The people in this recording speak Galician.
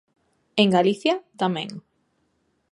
En Galicia, tamén.